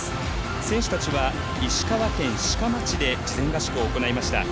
選手たちは石川県志賀町で事前合宿を行いました。